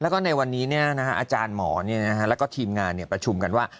แล้วก็ในวันนี้เนี่ยนะฮะอาจารย์หมอเนี่ยนะฮะแล้วก็ทีมงานเนี่ยประชุมกันว่า